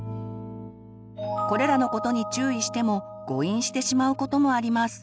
これらのことに注意しても誤飲してしまうこともあります。